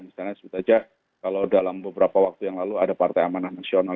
misalnya sebut aja kalau dalam beberapa waktu yang lalu ada partai amanah nasional